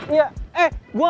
iya eh gua